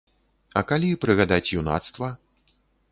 А калі прыгадаць юнацтва?